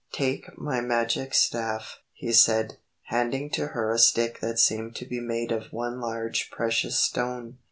"Take my magic staff," he said, handing to her a stick that seemed to be made of one large precious stone.